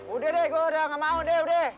udah deh gua udah gak mau deh udah